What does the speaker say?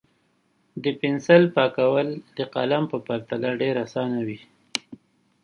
د پنسل پاکول د قلم په پرتله ډېر اسانه وي.